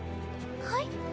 はい？